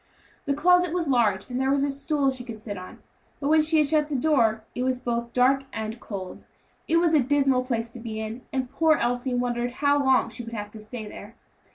The closet was large, and there was a stool she could sit on; but when she had shut the door, it was both dark and cold. It was a dismal place to be in, and poor Elsie wondered how long she would have to stay there.